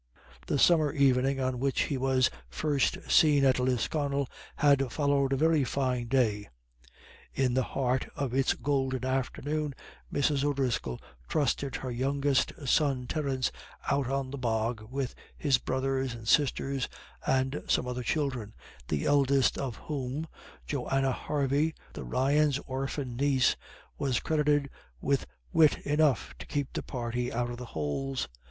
The summer evening on which he was first seen at Lisconnel had followed a very fine day. In the heart of its golden afternoon Mrs. O'Driscoll trusted her youngest son Terence out on the bog with his brothers and sisters and some other children, the eldest of whom, Johanna Harvey, the Ryans' orphan niece, was credited with wit enough to keep the party out of the holes.